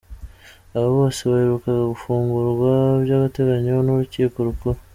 Aba bose baheruka gufungurwa by’agateganyo n’Urukiko Rukuru.